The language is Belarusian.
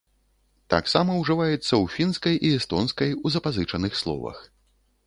Таксама ўжываецца ў фінскай і эстонскай у запазычаных словах.